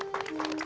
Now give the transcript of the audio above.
tidak ini sih